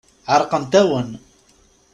Ɛerqent-awen.